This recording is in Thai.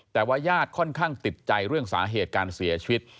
แต่ว่าญาติค่อนข้างติดใจเรื่องสาเหตุการเสียชีวิต